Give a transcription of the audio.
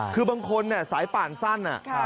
คือบางคนสายป่านสั้น